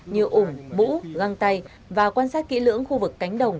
như ủng bũ găng tay và quan sát kỹ lưỡng khu vực cánh đồng